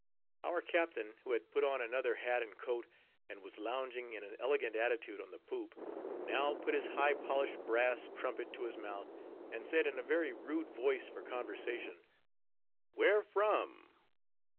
Our captain, who had put on another hat and coat, and was lounging in an elegant attitude on the poop, now put his high polished brass trumpet to his mouth, and said in a very rude voice for conversation, _"Where from?"